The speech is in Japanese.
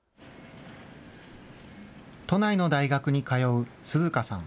都内の大学に通う涼花さん。